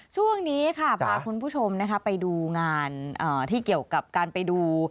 ช่วงนี้ค่ะพาคุณผู้ชมไปดูงานที่เกี่ยวกับการไปดู